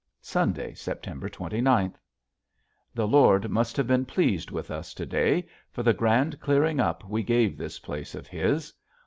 Sunday, September twenty ninth. The Lord must have been pleased with us to day for the grand clearing up we gave this place of His.